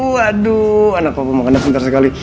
waduh anak papa makannya pintar sekali